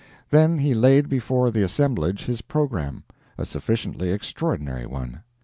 Then he laid before the assemblage his program a sufficiently extraordinary one.